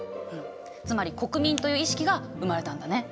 つまり国民という意識が生まれたんだね。